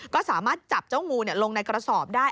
ก็สามารถจับเจ้างูลงในกระสอบได้